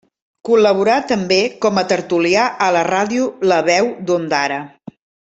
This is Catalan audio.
Col·laborà també com a tertulià a la ràdio la Veu d'Ondara.